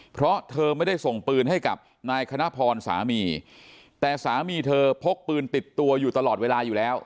เพราะเธอไม่ได้ส่งปืนให้กับนายคณะพรสามีแต่สามีเธอพกปืนติดตัวอยู่ตลอดเวลาอยู่แล้ว